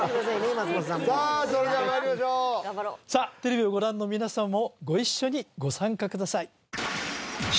松本さんもさあそれではまいりましょうさあテレビをご覧の皆さんもご一緒にご参加ください